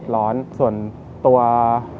จะเค่มข้นจากเเครื่องเเครง